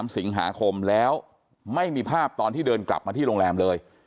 ๓สิงหาคมแล้วไม่มีภาพตอนที่เดินกลับมาที่โรงแรมเลย